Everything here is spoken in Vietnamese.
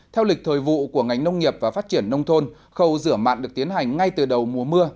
theo lịch thời vụ của ngành nông nghiệp và phát triển nông thôn khâu rửa mạn được tiến hành ngay từ đầu mùa mưa